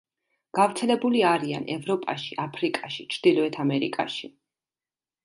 გავრცელებული არიან ევროპაში, აფრიკაში, ჩრდილოეთ ამერიკაში.